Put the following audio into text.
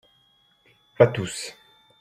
Pas tous.